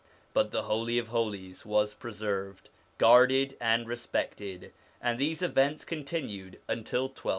But the Holy of Holies was preserved, guarded, and respected; and these events continued until 1260.